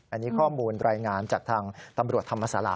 อันนี้ข้อมูลรายงานจากทางตำรวจธรรมศาลา